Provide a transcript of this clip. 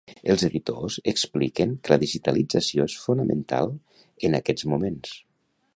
Els editors expliquen que la digitalització és fonamental en aquests moments.